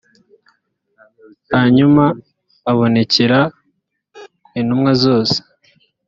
hanyuma abonekera intumwa zose